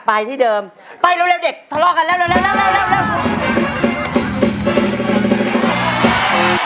มาให้เราดูมีเรื่องที่พี่ชม